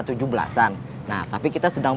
tujuh belasan nah tapi kita sedang